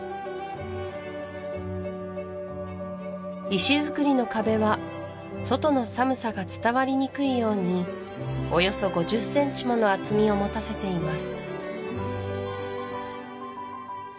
石造りの壁は外の寒さが伝わりにくいようにおよそ５０センチもの厚みを持たせています